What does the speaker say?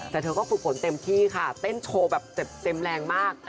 แต่เธอก็ฝึกฝนเต็มที่ค่ะเต้นโชว์แบบเต็มแรงมาก